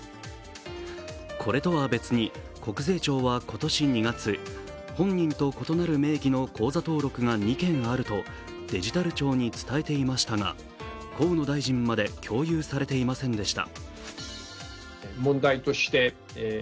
これとは別に国税庁は今年２月本人と異なる名義の口座登録が２件あるとデジタル庁に伝えていましたが、河野大臣まで共有されていませんでした。